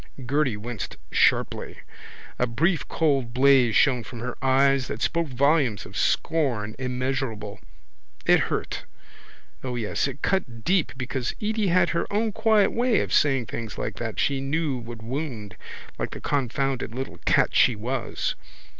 Gerty winced sharply. A brief cold blaze shone from her eyes that spoke volumes of scorn immeasurable. It hurt—O yes, it cut deep because Edy had her own quiet way of saying things like that she knew would wound like the confounded little cat she was.